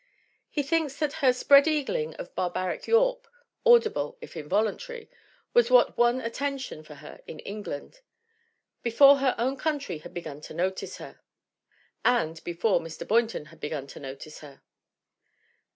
He thinks that "her spread eagling, her 'barbaric yawp/ audible if involuntary," was what won atten tion for her in England "before her own country had begun to notice her." And before Mr. Boynton had begun to notice her.